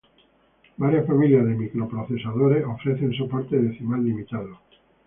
Varias familias de microprocesador ofrecen soporte decimal limitado.